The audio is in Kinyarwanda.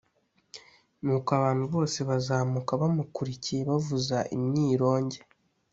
Nuko abantu bose bazamuka bamukurikiye bavuza imyironge